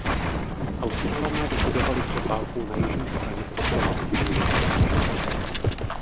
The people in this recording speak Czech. Australané vybudovali před válkou na jižní straně ostrova u průlivu letiště.